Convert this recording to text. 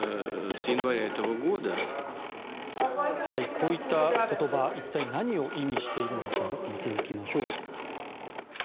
こういった言葉が一体何を意味しているのか見ていきましょう。